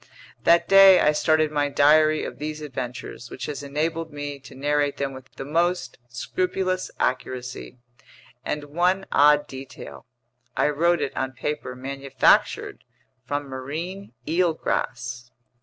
That day I started my diary of these adventures, which has enabled me to narrate them with the most scrupulous accuracy; and one odd detail: I wrote it on paper manufactured from marine eelgrass.